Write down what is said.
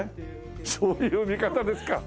そういう見方ですか。